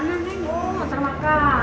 ngantar makanan nih bu ngantar makanan